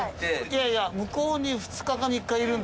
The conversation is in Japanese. いやいや向こうに２日か３日いるんだよ。